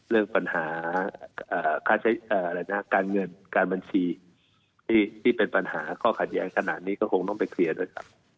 เรื่องปัญหาค่าใช้การเงินการบัญชีที่เป็นปัญหาข้อขัดแย้งขนาดนี้ก็คงต้องไปเคลียร์ด้วยครับ